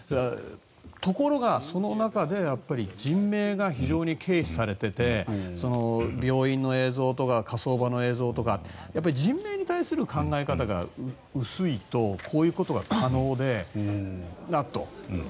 ところがその中で人命が軽視されてて病院の映像とか火葬場の映像とか人命に対する考え方が薄いとこういうことが可能なんだと。